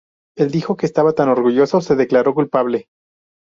El dijo que estaba tan orgulloso, se declaró culpable.